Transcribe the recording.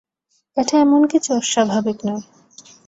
এটা এমন কিছু অস্বাভাবিক নয়।